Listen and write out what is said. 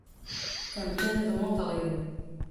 Campina do Monte Alegre